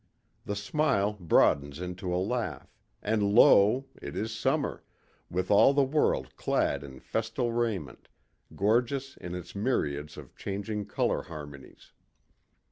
The smile broadens into a laugh, and lo! it is summer, with all the world clad in festal raiment, gorgeous in its myriads of changing color harmonies.